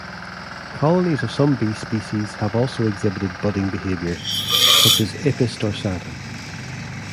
Colonies of some bee species have also exhibited budding behavior, such as "Apis dorsata".